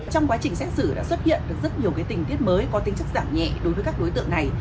trong quá trình xét xử đã xuất hiện được rất nhiều tình tiết mới có tính chất giảm nhẹ đối với các đối tượng này